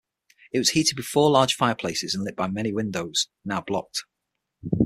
It was heated with four large fireplaces and lit by many windows, now blocked.